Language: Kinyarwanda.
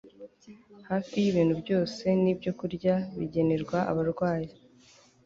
hafi yibintu byose nibyokurya bigenerwa abarwayi